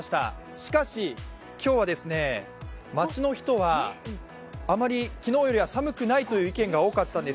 しかし、今日は街の人はあまり昨日よりは寒くないという意見が多かったんです。